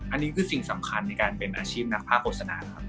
อันนี้คือสิ่งสำคัญในการเป็นอาชีพนักภาพโฟฟัน